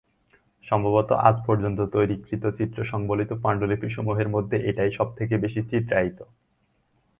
সম্ভবত আজ পর্যন্ত তৈরিকৃত চিত্র সংবলিত পান্ডুলিপি সমূহের মধ্যে এটাই সব থেকে বেশি চিত্রায়িত।